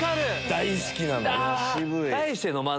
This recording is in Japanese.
大好きなの。